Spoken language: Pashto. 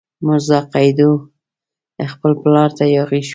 میرزا قیدو خپل پلار ته یاغي شو.